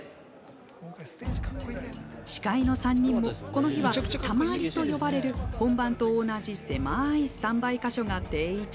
司会の３人もこの日は「たまり」と呼ばれる本番と同じせまーいスタンバイ箇所が定位置。